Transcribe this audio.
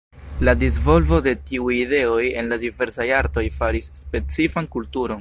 La disvolvo de tiuj ideoj en la diversaj artoj faris specifan kulturon.